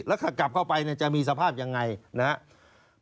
แล้วถ้ากลับเข้าไปจะมีสภาพยังไงนะครับ